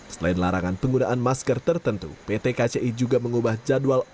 selain larangan penggunaan masker tertentu pt kci juga mengubah jadwal